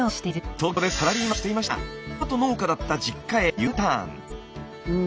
東京でサラリーマンをしていましたがトマト農家だった実家へＵターン。